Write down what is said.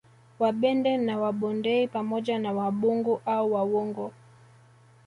Wabende na Wabondei pamoja na Wabungu au Wawungu